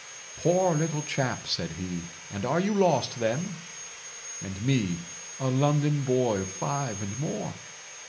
'Poor little chap,' said he; 'and are you lost then?'—and me a London boy of five and more!